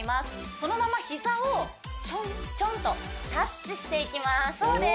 そのまま膝をちょんちょんとタッチしていきますそうです